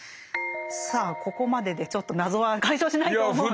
さあここまででちょっと謎は解消しないと思うんですけど。